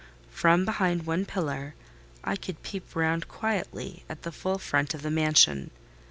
From behind one pillar I could peep round quietly at the full front of the mansion.